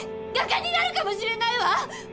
画家になるかもしれないわ！